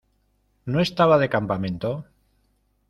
¿ No estaba de campamento?